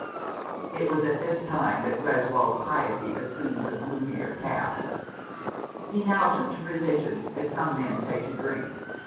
It was at this time that Greswold's piety assumed a gloomier cast. He now took to religion, as some men take to drink.